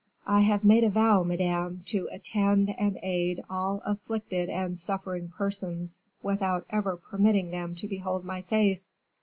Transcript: "I have made a vow, madame, to attend and aid all afflicted and suffering persons, without ever permitting them to behold my face.